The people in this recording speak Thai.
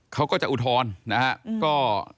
เขาก็จะอุทธรณ์นะครับ